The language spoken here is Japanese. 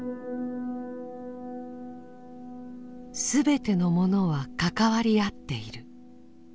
すべてのものは関わり合っている。